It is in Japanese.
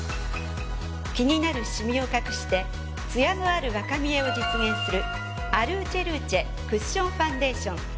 気になるシミを隠してツヤのある若見えを実現するＡｌｕｃｅｌｕｃｅクッションファンデーション。